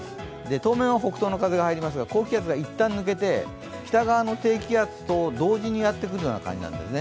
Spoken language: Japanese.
当面は北東の風が入りますが、高気圧がいったん抜けて北側の低気圧と同時にやってくるような感じなんですね。